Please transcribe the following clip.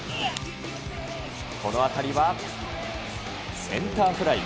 この当たりはセンターフライ。